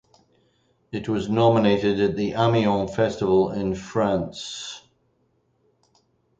It was nominated at the Amiens festival in France.